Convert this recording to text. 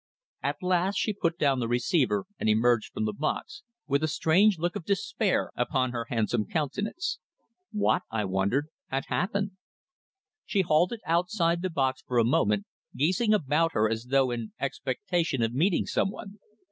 At last she put down the receiver and emerged from the box, with a strange look of despair upon her handsome countenance. What, I wondered, had happened? She halted outside the box for a moment, gazing about her as though in expectation of meeting someone.